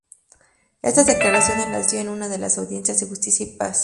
Estas declaraciones las dio en una de las audiencias de Justicia y Paz.